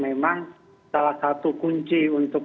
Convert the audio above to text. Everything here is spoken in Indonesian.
memang salah satu kunci untuk